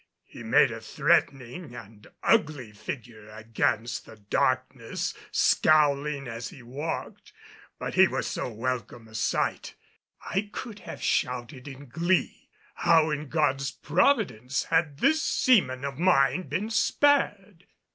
He made a threatening and ugly figure against the darkness, scowling as he walked, but he was so welcome a sight I could have shouted in glee. How in God's providence had this seaman of mine been spared?